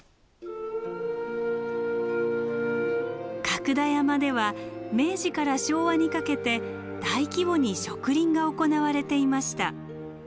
角田山では明治から昭和にかけて大規模に植林が行われていました。